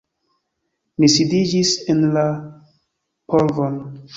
Ni sidiĝis en la polvon.